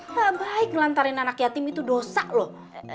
gak baik ngelantarin anak yatim itu dosa loh